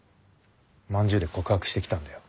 まんじゅうで告白してきたんだよ。